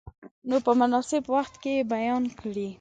نو په مناسب وخت کې یې بیان کړئ.